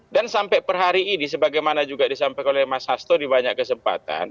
dan sampai per hari ini sebagaimana juga disampaikan oleh mas hasto di banyak kesempatan